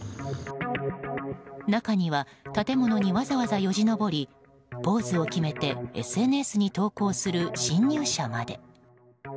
中には建物にわざわざよじ登りポーズを決めてＳＮＳに投稿する侵入者まで。